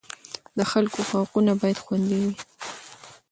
د خلکو حقونه باید خوندي وي.